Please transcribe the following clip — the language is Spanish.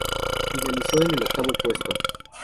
Finalizó en el octavo puesto.